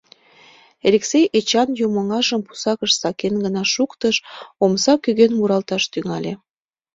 Элексей Эчан юмоҥажым пусакыш сакен гына шуктыш — омса кӧгӧн муралташ тӱҥале.